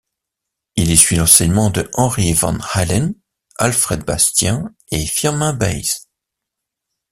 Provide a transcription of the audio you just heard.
Il y suit l'enseignement de Henri Van Haelen, Alfred Bastien et Firmin Baes.